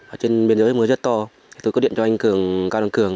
ở trên biên giới mưa rất to tôi có điện cho anh cường cao đăng cường